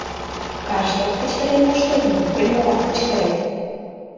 — Каршлат кычкырен моштет мо, пембылат кычкырет?